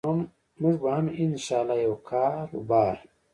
موږ به هم إن شاء الله یو کاربار